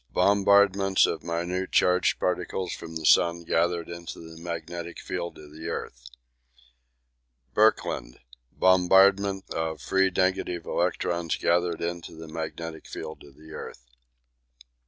Bombardments of minute charged particles from the sun gathered into the magnetic field of the earth. Birkeland. Bombardment of free negative electrons gathered into the magnetic field of the earth.